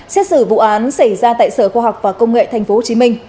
xét xử vụ án xảy ra tại sở khoa học và công nghệ tp hcm